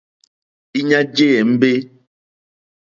Íɲá jé ěmbé.